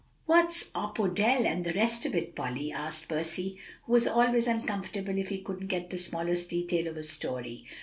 "What's opodel, and the rest of it, Polly?" asked Percy, who was always uncomfortable if he couldn't get the smallest detail of a story.